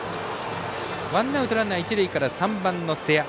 ワンアウト、ランナー、一塁から３番の瀬谷。